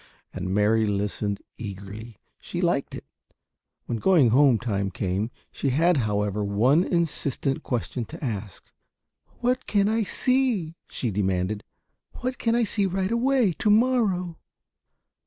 And Mary listened eagerly. She liked it. When going home time came she had, however, one insistent question to ask. "What can I see?" she demanded. "What can I see right away; to morrow?"